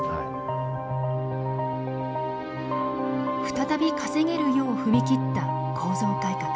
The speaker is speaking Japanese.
再び稼げるよう踏み切った構造改革。